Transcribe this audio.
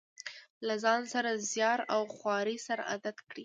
ځان له زیار او خوارۍ سره عادت کړي.